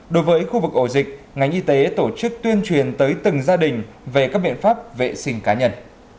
đối với khu vực ổ dịch ngành y tế tổ chức tuyên truyền tới từng gia đình về các biện pháp vệ sinh cá nhân